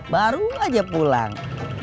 baru aja pulang